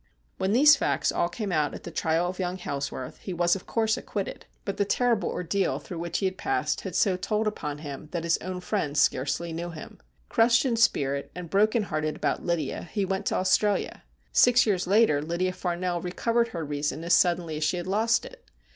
When these facts all came out at the trial of young Hailsworth, he was, of course, acquitted, but the terrible 270 STORIES WEIRD AND WONDERFUL ordeal through which he had passed had so told upon him that his own friends scarcely knew him. Crushed in spirit and broken hearted about Lydia, he went to Australia. Six years later Lydia Farnell recovered her reason as suddenly as she had lost it.